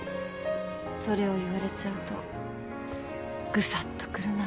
それを言われちゃうとグサッとくるなぁ。